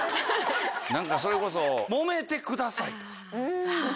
何かそれこそもめてくださいとか。